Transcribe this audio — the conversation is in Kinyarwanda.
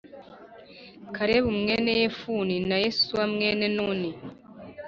Kalebu mwene Yefune na Yosuwa mwene Nuni